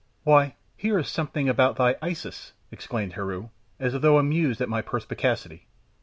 "Why, here is something about thy Isis," exclaimed Heru, as though amused at my perspicuity.